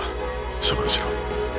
処分しろ。